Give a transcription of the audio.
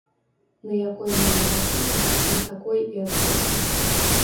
На якой мове напішаш, на такой і адкажуць.